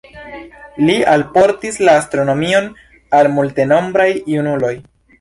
Li alportis la astronomion al multenombraj junuloj.